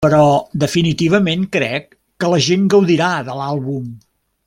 Però definitivament crec que la gent gaudirà de l'àlbum.